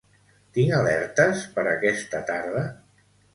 Tinc alertes per aquesta tarda?